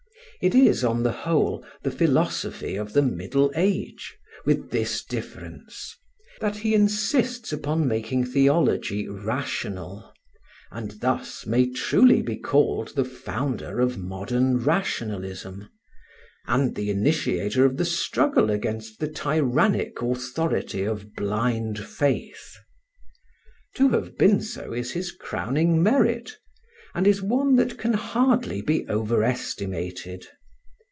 It is, on the whole, the philosophy of the Middle Age, with this difference: that he insists upon making theology rational, and thus may truly be called the founder of modern rationalism, and the initiator of the struggle against the tyrannic authority of blind faith. To have been so is his crowning merit, and is one that can hardly be overestimated.